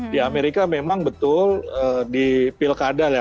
di amerika memang betul di pilkada ya